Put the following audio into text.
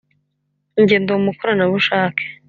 Nge ndi umukorana bushake